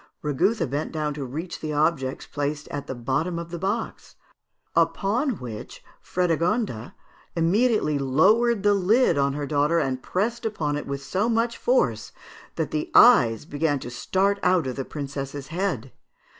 Rigouthe bent down to reach the objects placed at the bottom of the box; upon which Frédégonde immediately lowered the lid on her daughter, and pressed upon it with so much force that the eyes began to start out of the princess's head.